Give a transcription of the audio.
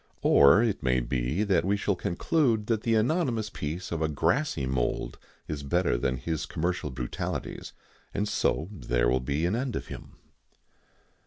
Or it may be we shall conclude that the anonymous peace of a grassy mould is better than his commercial brutalities, and so there will be an end of him.